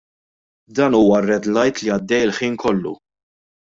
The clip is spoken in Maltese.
Dan huwa r-red light li għaddej il-ħin kollu!